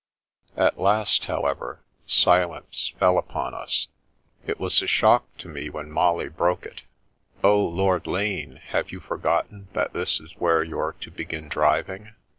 At last, however, silence fell upon us. It was a shock to me when Molly broke it. Oh, Lord Lane, have you forgotten that this is where you're to begin driving?